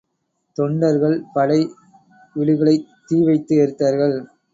தொண்டர்கள் படை விடுகளைத் தீ வைத்து எரித்தார்கள்.